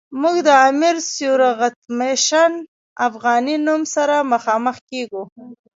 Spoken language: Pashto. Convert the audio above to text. موږ د امیر سیورغتمش افغانی نوم سره مخامخ کیږو.